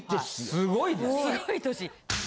すごい年。